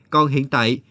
còn hiện tại